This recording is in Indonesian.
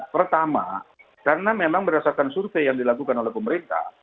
pertama karena memang berdasarkan survei yang dilakukan oleh pemerintah